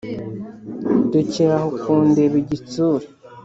Rekeraho kundeba igitsure